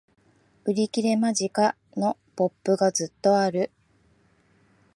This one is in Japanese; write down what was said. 売り切れ間近！のポップがずっとある